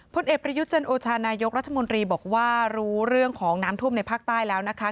พลเอกประยุทธ์จันโอชานายกรัฐมนตรีบอกว่ารู้เรื่องของน้ำท่วมในภาคใต้แล้วนะคะ